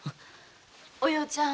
お葉ちゃん